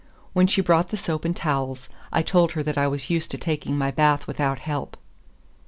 When she brought the soap and towels, I told her that I was used to taking my bath without help.